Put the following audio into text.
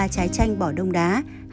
ba trái chanh bỏ đông đá